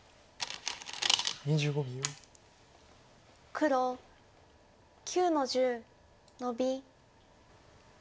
黒９の十ノビ。